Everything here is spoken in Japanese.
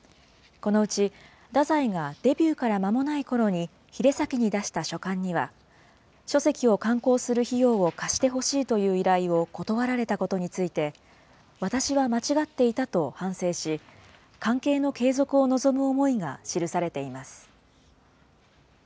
このうち、太宰がデビューからまもないころに鰭崎に出した書簡には、書籍を刊行する費用を貸してほしいという依頼を断られたことについて、私は間違っていたと反省し、関係の継続を望む思いが記されています。